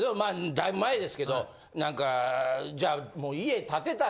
だいぶ前ですけど何かじゃあ。